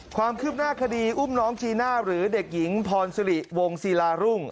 ความคืบหน้าคดีอุ้มน้องจีน่าหรือเด็กหญิงพรสิริวงศิลารุ่ง